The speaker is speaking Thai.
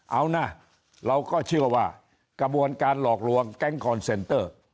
เอานะเราก็เชื่อว่ากระบวนการหลอกลวงแก๊งคอนเซนเตอร์